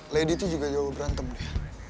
lady tuh juga jauh berantem deh